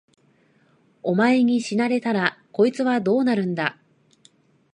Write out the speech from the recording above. お前に死なれたら、こいつらはどうなるんだ。